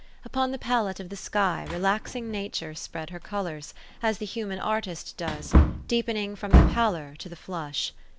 Upon the palette of the sky relaxing Nature spread her colors, as the human artist does, deepen ing from the pallor to the flush.